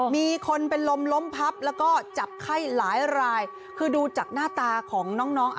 มีคนเป็นลมล้มพับแล้วก็จับไข้หลายรายคือดูจากหน้าตาของน้องน้อง